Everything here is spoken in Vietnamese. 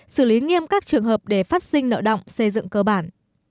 xử lý nghiêm các trường hợp để phát sinh nợ động xây dựng cơ bản